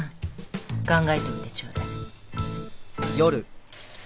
考えてみてちょうだい。